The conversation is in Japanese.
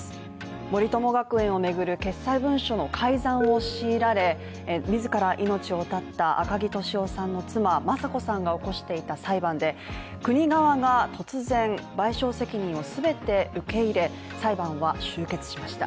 森友学園をめぐる決裁文書の改ざんを強いられ自ら命を絶った赤木俊夫さんの妻雅子さんが起こしていた裁判で国側が突然、賠償責任を全て受け入れ裁判は終結しました。